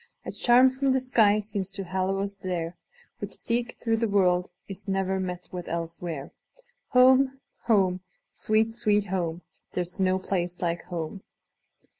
A charm from the sky seems to hallow us there, Which, seek through the world, is ne'er met with elsewhere. Home! home! sweet, sweet home! There 's no place like home!